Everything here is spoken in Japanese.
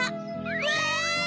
わい！